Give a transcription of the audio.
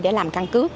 để làm căn cước